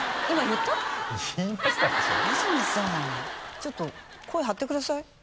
安住さんちょっと声張ってください